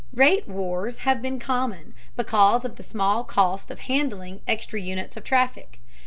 Rate wars have been common, because of the small cost of handling extra units of traffic.